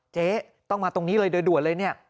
เจ๊ต้องมาตรงนี้เลยโดยด่วนเลยเนี่ย